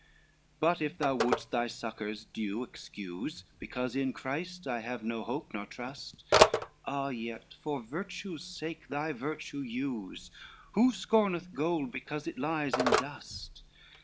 XLII "But if thou would'st thy succors due excuse, Because in Christ I have no hope nor trust, Ah yet for virtue's sake, thy virtue use! Who scorneth gold because it lies in dust?